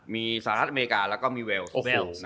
มีสหรัฐอเมริกาแล้วก็มีเวลสเวล